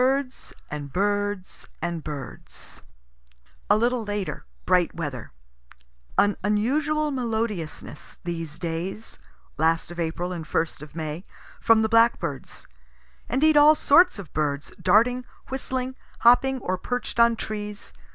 BIRDS AND BIRDS AND BIRDS A little later bright weather. An unusual melodiousness, these days, (last of April and first of May) from the blackbirds; indeed all sorts of birds, darting, whistling, hopping or perch'd on trees.